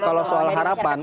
kalau soal harapan